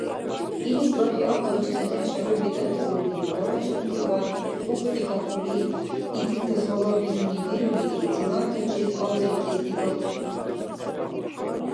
Илис бархӀи ахъайчи цадехӀ шаруби датиули, варачантиван кӀухдикӀахъули, итилтас гьалабизуни дирули, зилантачил абзрикӀес дигахъи.